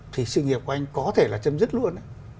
thì sự nghiệp của anh có thể là chấm dứt luôn